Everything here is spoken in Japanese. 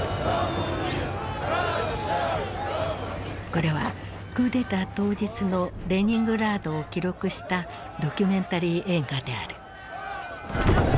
これはクーデター当日のレニングラードを記録したドキュメンタリー映画である。